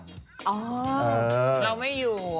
เราไม่อยู่